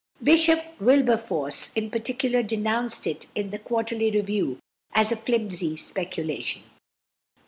Bishop Wilberforce in particular denounced it in the Quarterly Review as "a flimsy speculation."